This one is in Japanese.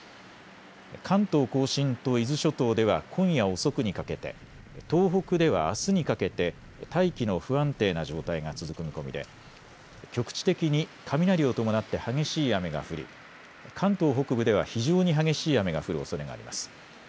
関東甲信と伊豆諸島では今夜遅くにかけて、東北ではあすにかけて大気の不安定な状態が続く見込みで局地的に雷を伴って激しい雨が降り関東北部では非常に激しい雨が降るおそれがあります。